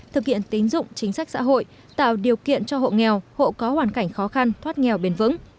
thực hiện tín dụng chính sách xã hội tạo điều kiện cho hộ nghèo hộ có hoàn cảnh khó khăn thoát nghèo bền vững